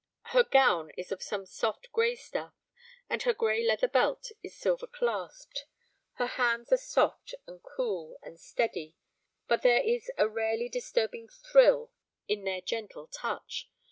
Her gown is of some soft grey stuff, and her grey leather belt is silver clasped. Her hands are soft and cool and steady, but there is a rarely disturbing thrill in their gentle touch.